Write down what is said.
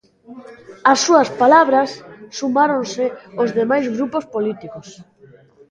Ás súas palabras, sumáronse os demais grupos políticos.